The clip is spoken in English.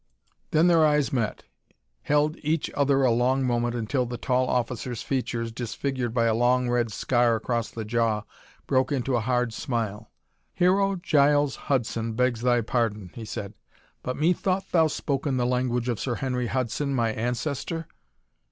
Then their eyes met, held each other a long moment until the tall officer's features, disfigured by a long red scar across the jaw, broke into a hard smile. "Hero Giles Hudson begs thy pardon," he said, "but methought thou spoke in the language of Sir Henry Hudson, my ancestor?"